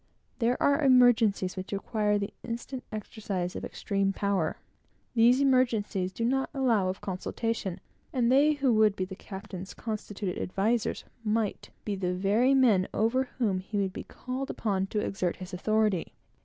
There are emergencies which require the instant exercise of extreme power. These emergencies do not allow of consultation; and they who would be the captain's constituted advisers might be the very men over whom he would be called upon to exert his authority.